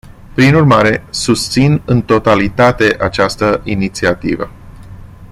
Prin urmare, susțin în totalitate această inițiativă.